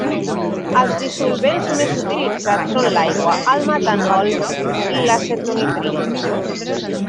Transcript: Els dissolvents més utilitzats són l'aigua, el metanol i l'acetonitril.